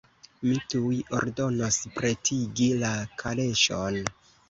Mi tuj ordonos pretigi la kaleŝon.